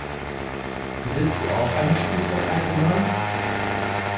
Besitzt du auch eine Spielzeug-Eisenbahn?